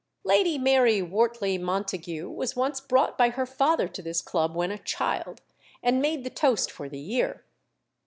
Lady Mary Wortley Montagu was once brought by her father to this club when a child, and made the toast for the year.